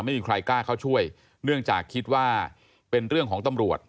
ไม่มีใครกล้าเข้าช่วยเนื่องจากคิดว่าเป็นเรื่องของตำรวจ